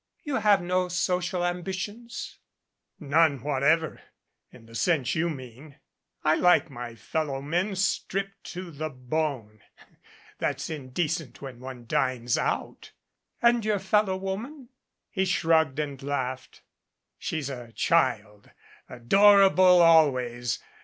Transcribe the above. "You have no social ambitions ?" "None whatever in the sense you mean. I like my fellow men stripped to the bone. That's indecent when one dines out." "And your fellow woman?" 282 CIRCE AND THE FOSSIL He shrugged and laughed. "She's a child adorable always.